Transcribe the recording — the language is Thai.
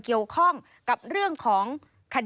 ชีวิตกระมวลวิสิทธิ์สุภาณฑ์